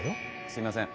すいません。